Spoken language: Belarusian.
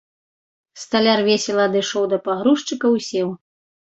Сталяр весела адышоў да пагрузчыкаў і сеў.